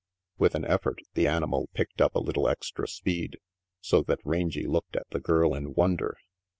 With an effort the animal picked up a little extra speed, so that Rangy looked at the girl in wonder.